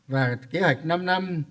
và kế hoạch năm năm